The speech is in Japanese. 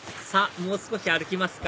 もう少し歩きますか